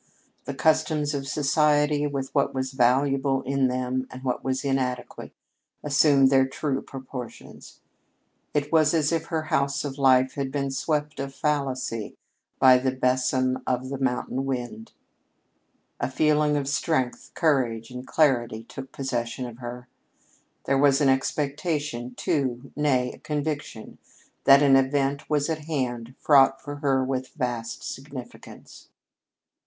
The customs of society, with what was valuable in them and what was inadequate, assumed their true proportions. It was as if her House of Life had been swept of fallacy by the besom of the mountain wind. A feeling of strength, courage, and clarity took possession of her. There was an expectation, too, nay, the conviction, that an event was at hand fraught for her with vast significance.